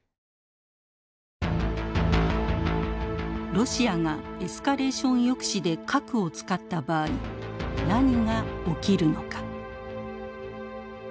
ロシアがエスカレーション抑止で核を使った場合何が起きるのか。